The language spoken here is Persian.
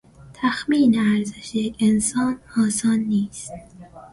تخمین ارزش یک انسان آسان نیست.